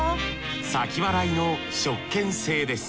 先払いの食券制です